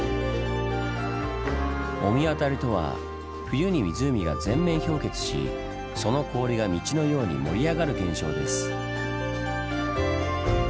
御神渡りとは冬に湖が全面氷結しその氷が道のように盛り上がる現象です。